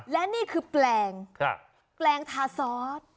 และนี่คือแปลงแปลงทาซอส